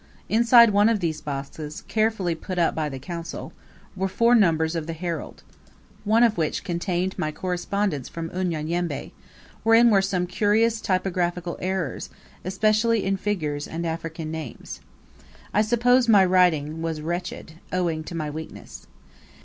Inside one of these boxes, carefully put up by the Consul, were four numbers of the 'Herald'; one of which contained my correspondence from Unyanyembe, wherein were some curious typographical errors, especially in figures and African names. I suppose my writing was wretched, owing to my weakness.